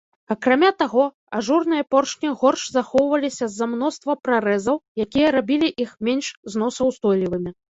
Акрамя таго, ажурныя поршні горш захоўваліся з-за мноства прарэзаў, якія рабілі іх менш зносаўстойлівымі.